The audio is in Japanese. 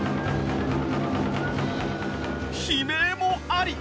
悲鳴もあり。